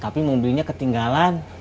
tapi mobilnya ketinggalan